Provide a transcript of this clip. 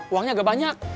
uangnya agak banyak